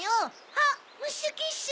あっムッシュ・キッシュ！